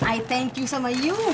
saya terima kasih sama ibu